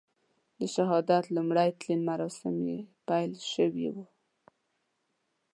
د شهادت لومړي تلین مراسم یې پیل شوي وو.